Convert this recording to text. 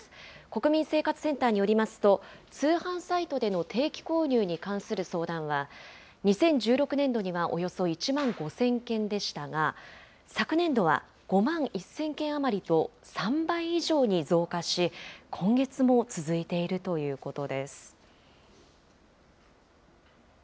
国民生活センターによりますと、通販サイトでの定期購入に関する相談は、２０１６年度にはおよそ１万５０００件でしたが、昨年度は５万１０００件余りと、３倍以上に増加し、今月も続いているということです。